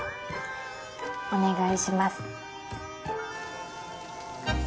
お願いします。